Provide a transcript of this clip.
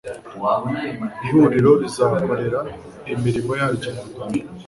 Ihuriro rizakorera imirimo yaryo mu Rwanda